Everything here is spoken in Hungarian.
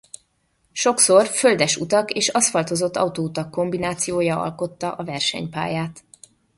Sokszor földes utak és aszfaltozott autóutak kombinációja alkotta a versenypályát.